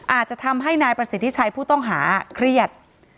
อาจจะทำให้นายประสิทธิชัยผู้ต้องหาเครียด